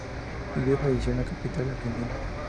Vivió y falleció en la capital argentina.